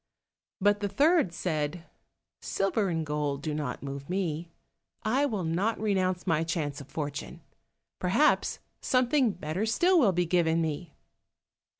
But the third said, "Silver and gold do not move me, I will not renounce my chance of fortune, perhaps something better still will be given me."